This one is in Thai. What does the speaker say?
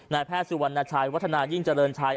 แพทย์สุวรรณชัยวัฒนายิ่งเจริญชัย